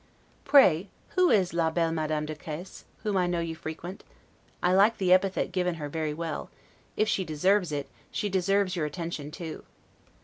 Pray who is 'la belle Madame de Case', whom I know you frequent? I like the epithet given her very well: if she deserves it, she deserves your attention too.